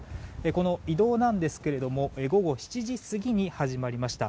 この移動ですが午後７時過ぎに始まりました。